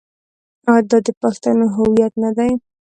آیا دا د پښتنو هویت نه دی؟